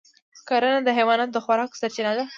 کرنه د حیواناتو د خوراک سرچینه هم ده.